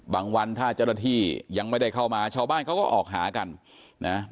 วันถ้าเจ้าหน้าที่ยังไม่ได้เข้ามาชาวบ้านเขาก็ออกหากันนะ